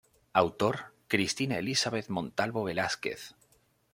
Autor: Cristina Elizabeth Montalvo Velásquez.